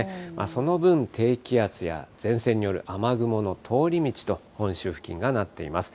その分、低気圧や前線による雨雲の通り道と、本州付近がなっています。